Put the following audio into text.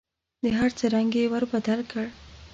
د هر څه رنګ یې ور بدل کړ .